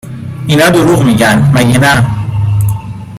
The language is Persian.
اینا دروغ میگن مگه نه ؟